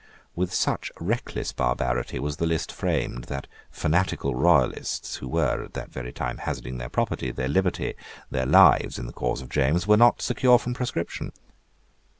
With such reckless barbarity was the list framed that fanatical royalists, who were, at that very time, hazarding their property, their liberty, their lives, in the cause of James, were not secure from proscription.